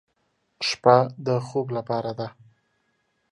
شپه د خوب لپاره ده.